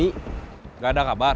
tidak ada kabar